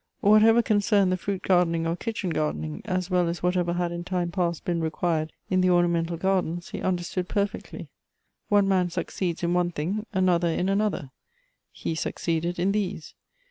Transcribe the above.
Whatever concerned the fruit gardening or kitchen gardening, as well as what ever had in time past been required in the ornamental gardens, he understood perfectly. One man succeeds in one thing, another in another; he succeeded in these.